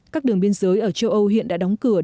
các đường biên giới ở châu âu hiện đã đóng cửa